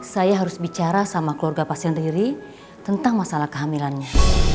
saya harus bicara sama keluarga pasien riri tentang masalah kehamilannya